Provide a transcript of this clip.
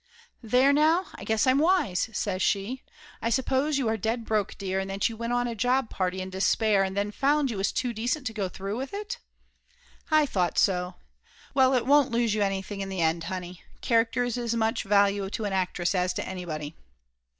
"There now, I guess I'm wise!" says she. "I sup pose you are dead broke, dear, and that you went on a job party in despair and then found you was too 124 Laughter Limited decent to go through with it? I thought so. Well, it won't lose you anything in the end, honey. Char acter is as much value to an actress as to anybody."